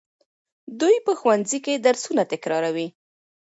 دوی په ښوونځي کې درسونه تکراروي.